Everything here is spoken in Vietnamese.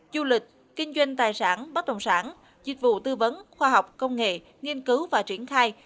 du lịch kinh doanh tài sản bất động sản dịch vụ tư vấn khoa học công nghệ nghiên cứu và triển khai